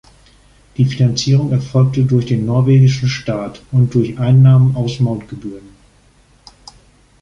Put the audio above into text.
Die Finanzierung erfolgte durch den norwegischen Staat und durch Einnahmen aus Mautgebühren.